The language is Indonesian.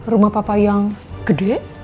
rumah papa yang gede